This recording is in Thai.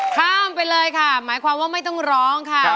ข้ามไปเลยค่ะหมายความว่าไม่ต้องร้องค่ะ